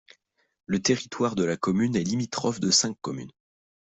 Le territoire de la commune est limitrophe de cinq communes.